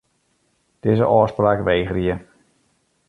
Dizze ôfspraak wegerje.